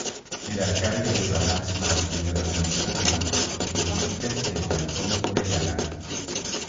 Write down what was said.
El Alcalde es la máxima autoridad administrativa y política del cantón Orellana.